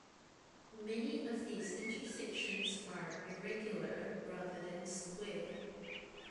Many of these intersections are irregular rather than square.